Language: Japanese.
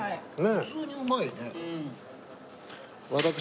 普通にうまいね。